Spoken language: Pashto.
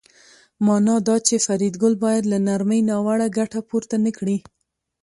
مانا دا چې فریدګل باید له نرمۍ ناوړه ګټه پورته نکړي